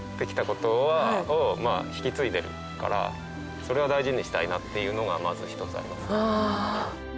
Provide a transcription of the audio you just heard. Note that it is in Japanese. それは大事にしたいなっていうのがまず一つあります。